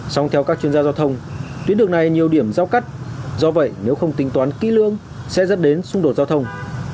song theo các chuyên gia giao thông tuyến đường này nhiều điểm giao cắt do vậy nếu không tính toán kỹ lưỡng sẽ dẫn đến xung đột giao thông